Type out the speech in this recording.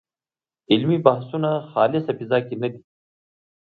علمي بحثونه خالصه فضا کې نه دي.